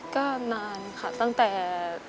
ก็นานค่ะตั้งแต่